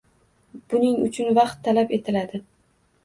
Buning uchun vaqt talab etiladi.